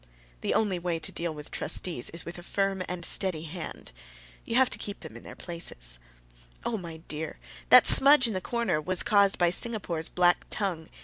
The only way to deal with trustees is with a firm and steady hand. You have to keep them in their places. Oh, my dear! that smudge in the corner was caused by Singapore's black tongue.